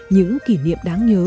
những kỷ niệm đáng nhớ